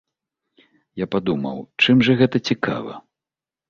Я падумаў, чым жа гэта цікава?